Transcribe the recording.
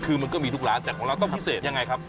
คือมันก็มีทุกร้านแต่ของเราต้องพิเศษยังไงครับ